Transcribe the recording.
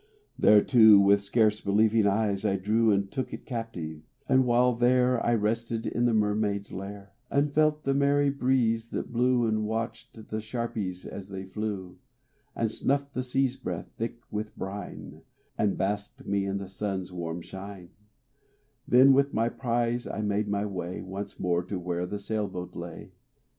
Thereto With scarce believing eyes I drew And took it captive A while there I rested in the mermaid's lair, And felt the merry breeze that blew, And watched the sharpies as they flew, And snuffed the sea's breath thick with brine, And basked me in the sun's warm shine; Then with my prize I made my way Once more to where the sail boat lay.